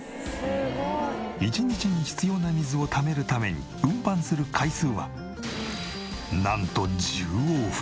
１日に必要な水をためるために運搬する回数はなんと１０往復。